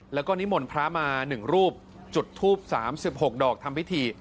แล้วก็นิมนต์พระมา๑รูปจุดทูป๓๖ดอกทำพิธี